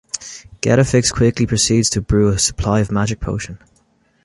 Getafix quickly proceeds to brew a supply of magic potion.